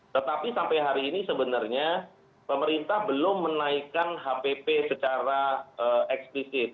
tetapi sampai hari ini sebenarnya pemerintah belum menaikkan hpp secara eksplisit